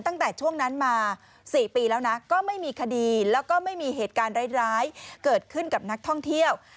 ตั้งแต่ช่วงนั้นมา๔ปีแล้วนะก็ไม่มีคดีแล้วก็ไม่มีเหตุการณ์ร้ายเกิดขึ้นกับนักท่องเที่ยว